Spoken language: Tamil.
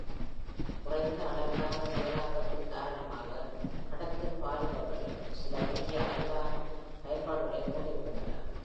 குறைந்த அளவிலான செயலாக்கத்தின் காரணமாக கடத்தும் பாலிமர்கள் சில பெரிய அளவிலான பயன்பாடுகளைக் கொண்டிருக்கின்றன.